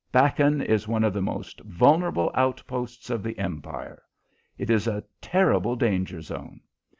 Bakkan is one of the most vulnerable outposts of the Empire. It is a terrible danger zone.